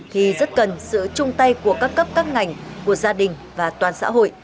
thì rất cần sự chung tay của các cấp các ngành của gia đình và toàn xã hội